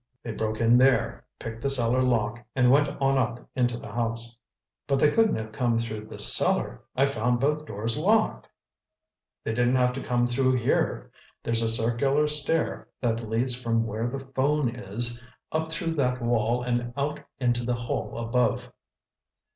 They broke in there, picked the cellar lock, and went on up into the house." "But they couldn't have come through this cellar—I found both doors locked." "They didn't have to come through here. There's a circular stair that leads from where the phone is, up through that wall and out into the hall above."